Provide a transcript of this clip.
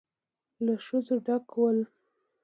له ښځو ډک ول.